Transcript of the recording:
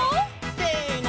せの！